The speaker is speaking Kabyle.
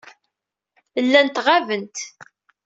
Llant ɣaben.